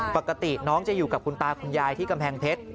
ปกติน้องจะอยู่กับคุณตาคุณยายที่กำแพงเพชร